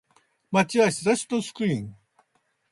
街は日差しのスクリーン